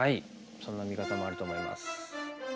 そんな見方もあると思います。